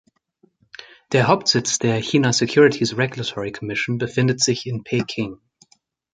Der Hauptsitz der China Securities Regulatory Commission befindet sich in Peking.